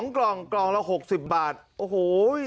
กล่องกล่องละ๖๐บาทโอ้โห